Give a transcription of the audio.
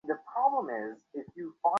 যদি তুমি সফলও হও তো?